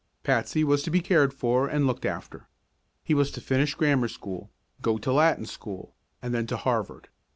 Patsy was to be cared for and looked after. He was to finish grammar school, go to Latin school, and then to Harvard.